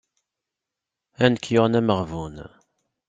A nekk yuɣen ameɣbun.